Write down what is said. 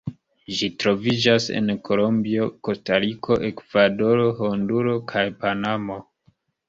Ĝi troviĝas en Kolombio, Kostariko, Ekvadoro, Honduro, kaj Panamo.